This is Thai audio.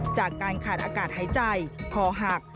จากการขาดอากาศหายใจคอหัก